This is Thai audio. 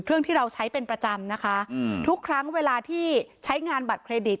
เครื่องที่เราใช้เป็นประจำนะคะอืมทุกครั้งเวลาที่ใช้งานบัตรเครดิต